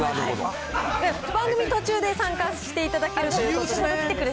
番組途中で、参加していただけるということで。